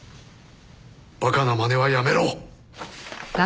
馬鹿なまねはやめろ！